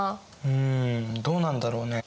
うんどうなんだろうね？